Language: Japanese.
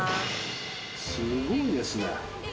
すごいですね。